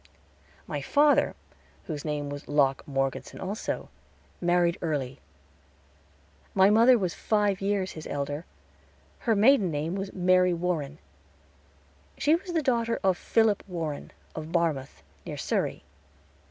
My father, whose name was Locke Morgeson also, married early. My mother was five years his elder; her maiden name was Mary Warren. She was the daughter of Philip Warren, of Barmouth, near Surrey.